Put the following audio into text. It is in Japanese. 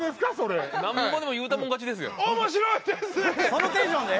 そのテンションで？